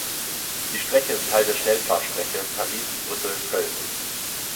Die Strecke ist Teil der Schnellfahrstrecke Paris–Brüssel–Köln.